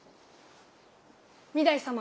・御台様。